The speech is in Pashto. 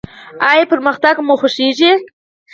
ایا پرمختګ مو خوښیږي؟